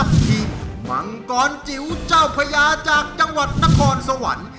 ทีมมังกรจิ๋วเจ้าพญาจากจังหวัดนครสวรรค์